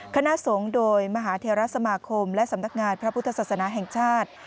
คณะสงฆ์โดยมหาเทราสมาคมและสำนักงานพระพุทธศาสนาแห่งชาติ